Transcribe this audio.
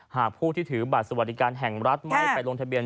หากผู้ที่ถือบัตรสวัสดิการแห่งรัฐไม่ไปลงทะเบียน